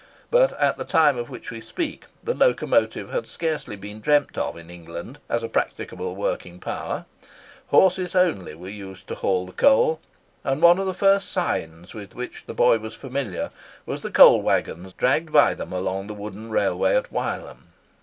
But at the time of which we speak, the locomotive had scarcely been dreamt of in England as a practicable working power; horses only were used to haul the coal; and one of the first sights with which the boy was familiar was the coal waggons dragged by them along the wooden railway at Wylam.